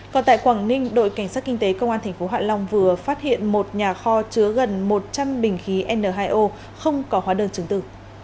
còn tại quảng ninh đội cảnh sát kinh tế công an tp hạ long vừa phát hiện một nhà kho chứa gần một trăm linh bình khí n hai o không có hóa đơn chứng tử